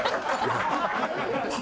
ハハハハ！